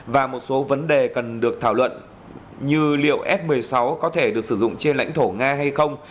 và một số vấn đề cần được thảo luận như liệu f một mươi sáu có thể được sử dụng trên lãnh thổ nga hay không